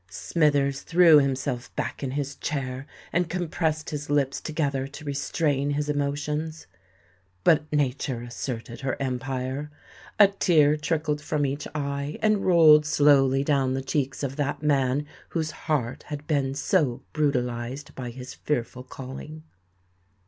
Smithers threw himself back in his chair, and compressed his lips together to restrain his emotions. But nature asserted her empire. A tear trickled from each eye, and rolled slowly down the cheeks of that man whose heart had been so brutalized by his fearful calling.